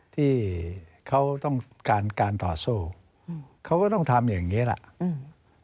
ที่เขาต้องการการต่อสู้อืมเขาก็ต้องทำอย่างเงี้แหละอืม